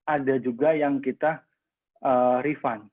ada juga yang kita refund